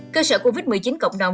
cơ sở covid một mươi chín cộng đồng